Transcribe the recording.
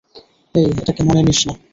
এই, এটাকে মনে নিস না।